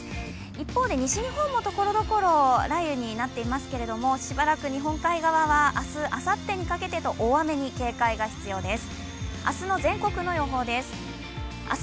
一方で西日本もところどころ雷雨になっていますけれども、しばらく日本海側は明日、あさってにかけてと大雨に警戒が必要です。